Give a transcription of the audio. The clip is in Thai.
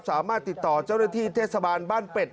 สามารถติดต่อเจ้าหน้าที่เทศบาลบ้านเป็ด